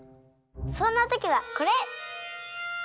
そんなときはこれ！